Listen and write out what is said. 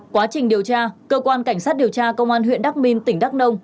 quá trình điều tra cơ quan cảnh sát điều tra công an huyện đắk minh tỉnh đắk nông